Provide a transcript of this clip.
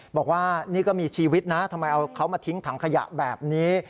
บอกว่านี่ก็มีชีวิตนะทำไมเอาเขามาทิ้งถังขยะแบบนี้